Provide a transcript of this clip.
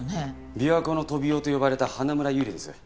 琵琶湖のトビウオと呼ばれた花村友梨です。